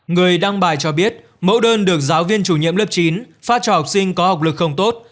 người đăng bài cho biết mẫu đơn được giáo viên chủ nhiệm lớp chín phát cho học sinh có học lực không tốt